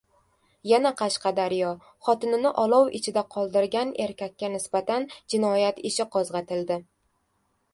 Yana Qashqadaryo. Xotinini olov ichida qoldirgan erkakka nisbatan jinoyat ishi qo‘zg‘atildi